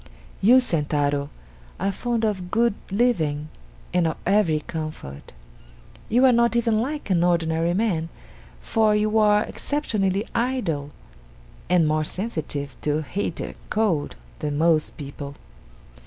"You, Sentaro, are fond of good living and of every comfort. You are not even like an ordinary man, for you are exceptionally idle, and more sensitive to heat and cold than most people.